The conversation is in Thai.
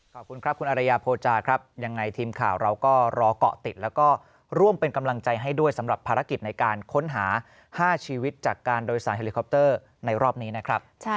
ขอบคุณครับคุณอารยาโพจาครับยังไงทีมข่าวเราก็รอเกาะติดแล้วก็ร่วมเป็นกำลังใจให้ด้วยสำหรับภารกิจในการค้นหา๕ชีวิตจากการโดยสารเฮลิคอปเตอร์ในรอบนี้นะครับ